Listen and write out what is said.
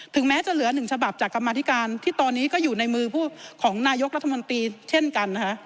แม้จะเหลือหนึ่งฉบับจากกรรมาธิการที่ตอนนี้ก็อยู่ในมือของนายกรัฐมนตรีเช่นกันนะฮะ